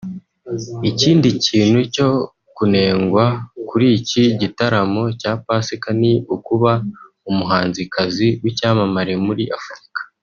Ikindi kintu cyo kunengwa kuri iki gitaramo cya Pasika ni ukuba umuhanzikazi w'icyamamare muri Afrika